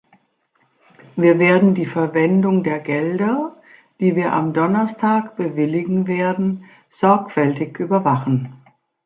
Wir werden die Verwendung der Gelder, die wir am Donnerstag bewilligen werden, sorgfältig überwachen.